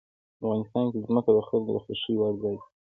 افغانستان کې ځمکه د خلکو د خوښې وړ ځای دی.